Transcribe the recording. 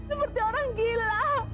seperti orang gila